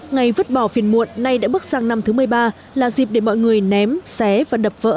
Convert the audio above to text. ngày vứt bỏ phiền muộn nay đã bước sang năm thứ một mươi ba là dịp để mọi người ném xé và đập vỡ